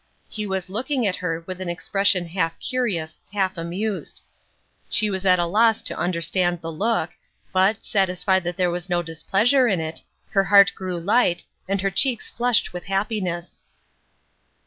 He was looking at her with an expression half curious, half amused. She was at a loss to understand the look, but, satisfied that there was no displeasure in it, her heart grew light, and her cheeks flushed with happiness.